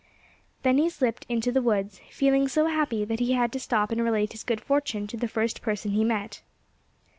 Then he slipped into the woods, feeling so happy that he had to stop and relate his good fortune to the first person he met.